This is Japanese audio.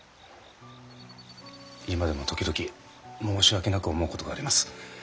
今でも時々申し訳なく思うことがあります。